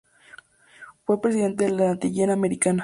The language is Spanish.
Fue presidente de la Antillean-American Trading Corporation.